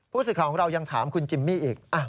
ผู้สื่อข่าวของเรายังถามคุณจิมมี่อีก